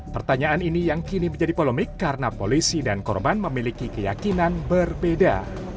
pertanyaan ini yang kini menjadi polemik karena polisi dan korban memiliki keyakinan berbeda